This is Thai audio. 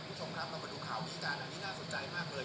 คุณผู้ชมครับเรามาดูข่าวนี้กันอันนี้น่าสนใจมากเลย